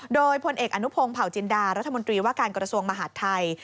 โดยพลเอกอนุพงศ์เผาจินดารัฐมนตรีว่าการกระทรวงมหาดไทย